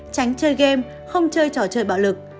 tránh chơi game không chơi trò chơi bạo lực